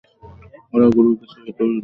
ওরা গ্রুপ ছবি তুলবে।